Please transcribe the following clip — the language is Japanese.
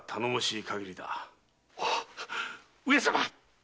上様！